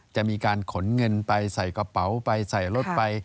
จะมีการขนเงินไปใส่กระเป๋าไปใส่รถไป